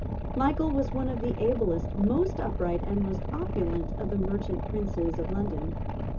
Michael was one of the ablest, most upright and most opulent of the merchant princes of London.